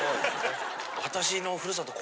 私のふるさと